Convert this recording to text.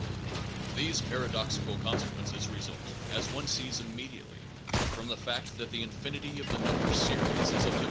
These paradoxical consequences result, as one sees immediately, from the fact that the The new infinity of the number series is of the infinite